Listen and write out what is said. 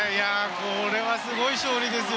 これはすごい勝利ですよ。